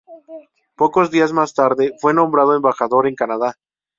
Pocos días más tarde, fue nombrado embajador en Canadá.